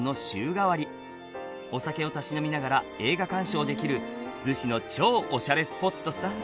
「お酒をたしなみながら映画鑑賞できる逗子の超おしゃれスポットさ」